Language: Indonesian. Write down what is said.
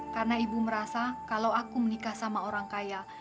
karena ibu merasa kalau aku menikah sama orang kaya